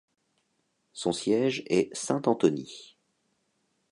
Son siège est Saint Anthony.